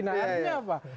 nah artinya apa